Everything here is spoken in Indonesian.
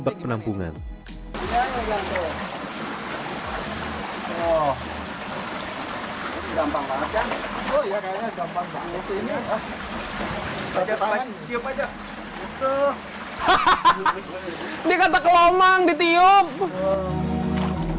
bab penampungan oh gampang banget ya coba lihat aja tuh itugyat alman di tiup lalu